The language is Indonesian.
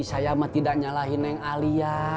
saya mah tidak nyalahin yang alia